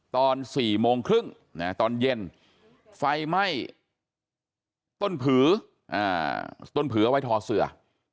ตอน๔โมงครึ่งตอนเย็นไฟไหม้ต้นผือต้นผือเอาไว้ทอเสือ